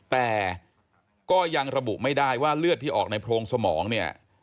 แต่ก็ยังระบุไม่ได้ว่าเลือดที่ออกในโพรงสมองเนี่ย